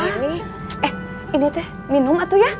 eh ini teh minum atu ya